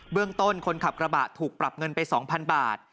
เรื่องต้นคนขับกระบะถูกปรับเงินไป๒๐๐๐บาท